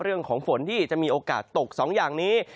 เรื่องของฝนที่จะมีโอกาสตก๒อย่างนี้